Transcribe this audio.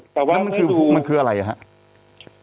นั่นมันคืออะไรนะครับ